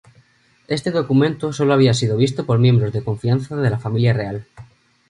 Este documento sólo había sido visto por miembros de confianza de la familia real.